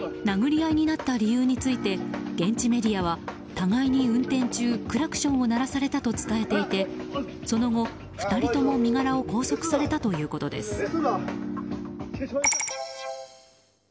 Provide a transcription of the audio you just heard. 殴り合いになった理由について現地メディアは互いに運転中、クラクションを鳴らされたと伝えていてその後、２人とも身柄を拘束されたということです。